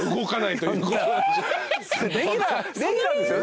レギュラーですよね？